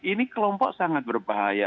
ini kelompok sangat berbahaya